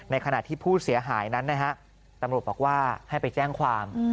ขณะที่ผู้เสียหายนั้นนะฮะตำรวจบอกว่าให้ไปแจ้งความ